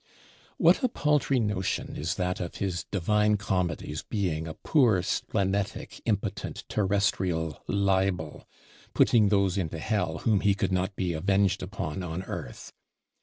What a paltry notion is that of his 'Divine Comedy's' being a poor splenetic impotent terrestrial libel; putting those into Hell whom he could not be avenged upon on earth!